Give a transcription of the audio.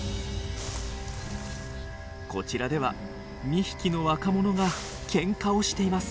こちらでは２匹の若者がけんかをしています。